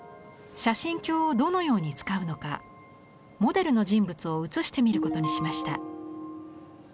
写真鏡をどのように使うのかモデルの人物を映してみることにしました。